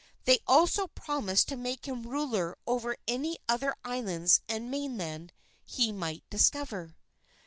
They also promised to make him ruler over any other islands and mainland he might discover.